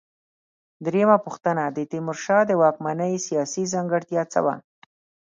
درېمه پوښتنه: د تیمورشاه د واکمنۍ سیاسي ځانګړتیا څه وه؟